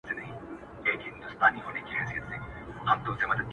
مسافرۍ کي دي ايره سولم راټول مي کړي څوک;